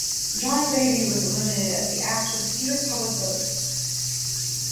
Jonny Labey was eliminated as the act with the fewest public votes.